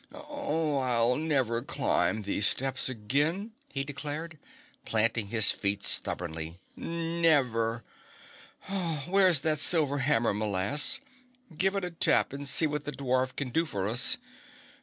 "I'll never climb those steps again!" he declared, planting his feet stubbornly. "Never! Where's that silver hammer, m'lass? Give it a tap and see what the dwarf can do for us?